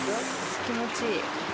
気持ちいい。